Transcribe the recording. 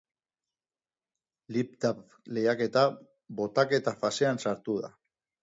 Lipdub lehiaketa botaketa fasean sartu da.